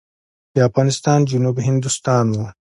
د افغانستان جنوب هندوستان و.